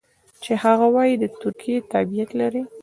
چې هغه وايي د ترکیې تابعیت لري.